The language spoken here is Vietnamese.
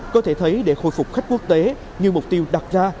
có thể thấy để khôi phục khách quốc tế như mục tiêu đặt ra